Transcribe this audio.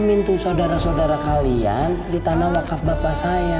minta saudara saudara kalian di tanah wakaf bapak saya